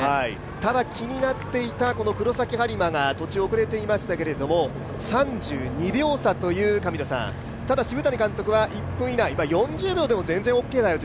ただ、気になっていた黒崎播磨が途中遅れていましたけど、３２秒差という神野さん、ただ澁谷監督は１分以内、４０秒でも全然オーケーだよと。